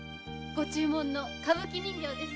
ご注文の歌舞伎人形です。